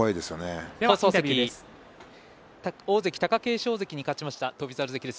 大関貴景勝関に勝った翔猿関です。